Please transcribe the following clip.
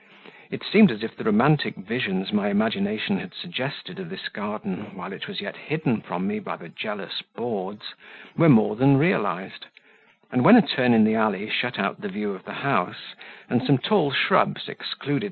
It seemed as if the romantic visions my imagination had suggested of this garden, while it was yet hidden from me by the jealous boards, were more than realized; and, when a turn in the alley shut out the view of the house, and some tall shrubs excluded M.